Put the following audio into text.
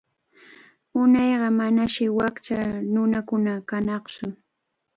Unayqa manashi wakcha nunakuna kanaqtsu.